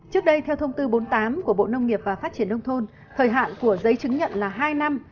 trước đây theo thông tư bốn mươi tám của bộ nông nghiệp và phát triển nông thôn thời hạn của giấy chứng nhận là hai năm